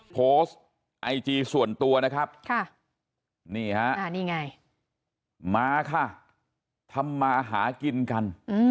โพสต์ไอจีส่วนตัวนะครับนี่ฮะนี่ไงมาค่ะทำมาหากินกัน